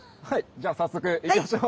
じゃあ早速行きましょう。